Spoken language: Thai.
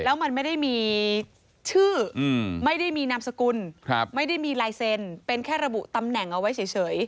แล้วมันไม่ได้มีชื่อไม่ได้มีนามสกุลไม่ได้มีลายเซ็นต์เป็นแค่ระบุตำแหน่งเอาไว้เฉย